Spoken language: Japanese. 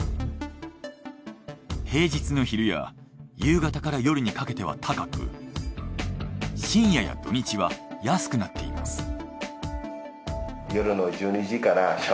平日の昼や夕方から夜にかけては高く深夜や土日は安くなっています。